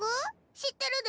知ってるで。